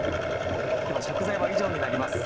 では食材は以上になります